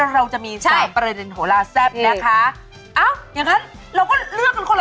เราจะไม่คิดนานนะคะ